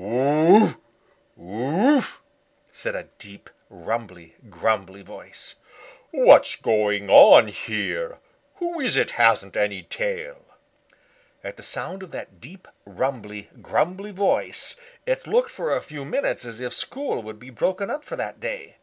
"Woof, woof," said a deep, rumbly, grumbly voice. "What's going on here? Who is it hasn't any tail?" At the sound of that deep, rumbly, grumbly voice it looked for a few minutes as if school would be broken up for that day.